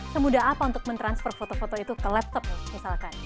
semudah apa untuk mentransfer foto foto itu ke laptop misalkan